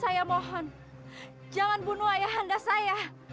saya mohon jangan bunuh ayah anda saya